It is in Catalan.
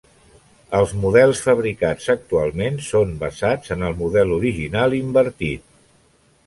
Els models fabricats actualment, són basats en el model original invertit.